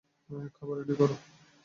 খাবার রেডি করো।